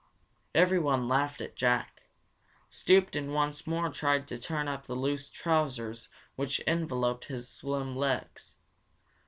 Everyone laughed as Jack stooped and once more tried to turn up the loose trousers which enveloped his slim legs.